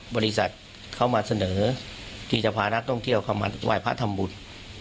บริษัทเข้ามาเสนอที่จะพานักท่องเที่ยวเข้ามาไหว้พระทำบุญ